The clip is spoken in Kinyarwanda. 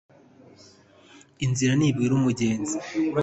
Inzira ntibwira umugenzi